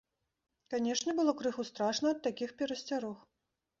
Канечне, было крыху страшна ад такіх перасцярог.